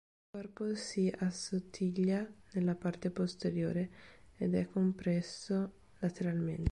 Il corpo si assottiglia nella parte posteriore ed è compresso lateralmente.